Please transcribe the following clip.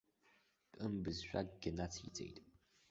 Тәым бызшәакгьы нацнаҵеит.